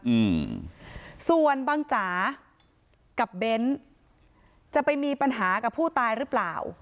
อืมส่วนบังจ๋ากับเบ้นจะไปมีปัญหากับผู้ตายหรือเปล่า